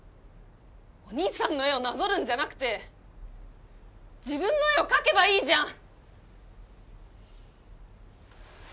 お兄さんの絵をなぞるんじゃなくて自分の絵を描けばいいじゃん！